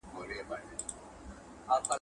تاسي په خپل کلي کي کوم غیرتي ځوان پېژنئ؟